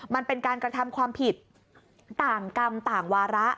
มันเป็นการกระทำความผิดต่างกรรมต่างวาระ